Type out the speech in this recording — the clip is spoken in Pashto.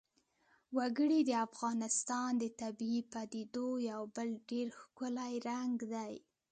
وګړي د افغانستان د طبیعي پدیدو یو بل ډېر ښکلی رنګ دی.